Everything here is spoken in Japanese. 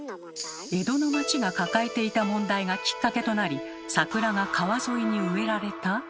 江戸の町が抱えていた問題がきっかけとなり桜が川沿いに植えられた？